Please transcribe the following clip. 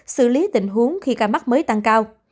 xử lý tình huống khi ca mắc mới tăng cao